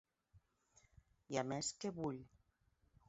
I a més, què vull?